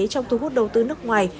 trong thu hút đầu tư nước ngoài